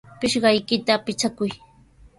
Pisqaykita pichakuy.